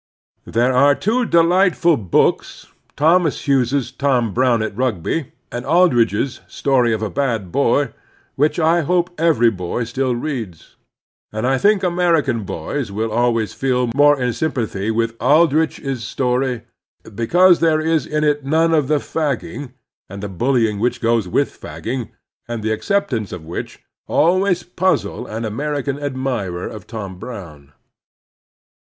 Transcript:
There are two delightful books, Thomas Hughes's "Tom Brown at Rugby," and Aldrich's "Story of a Bad Boy," which I hope every boy still reads; and I think American boys will always feel more in sympathy with Aldrich's story, because there is in it none of the fagging, and the bullying which goes with fagging, the accoimt of which, and the 156 The Strenuous Life acceptance of which, always puzzle an American admirer of Tom Brown.